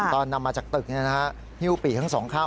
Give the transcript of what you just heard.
ตอนนำมาจากตึกฮิ้วปีกทั้งสองข้าง